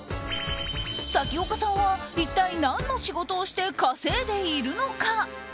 咲丘さんは一体何の仕事をして稼いでいるのか？